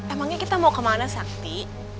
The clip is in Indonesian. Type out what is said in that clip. emangnya kita mau kemana sakti